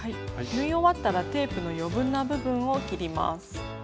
縫い終わったらテープの余分な部分を切ります。